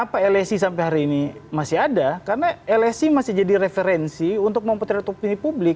tapi jujur ya kenapa lsi sampai hari ini masih ada karena lsi masih jadi referensi untuk mempertaruhkan opini publik